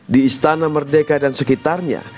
di istana merdeka dan sekitarnya